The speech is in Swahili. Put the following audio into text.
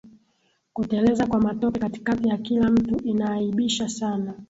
Kuteleza kwa matope katikati ya kila mtu inaaibisha sana